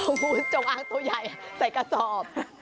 แล้วกูก็เอาจงอ้างตัวใหญ่ใส่กระซ่อบ